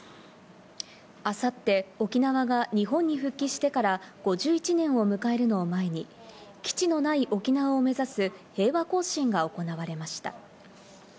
明後日、沖縄が日本に復帰してから５１年を迎えるのを前に、基地のない沖縄を目指す平和行進が行われました。